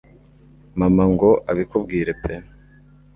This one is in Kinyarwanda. mama ngo abikubwire pe